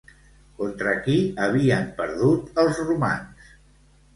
Contra qui havien perdut els romans?